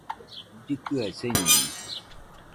Llɨkɨaɨ señeno